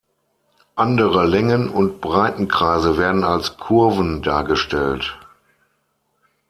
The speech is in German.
Andere Längen- und Breitenkreise werden als Kurven dargestellt.